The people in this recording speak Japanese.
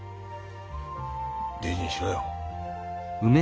大事にしろよ。